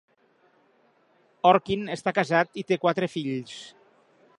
Orkin està casat i té quatre fills.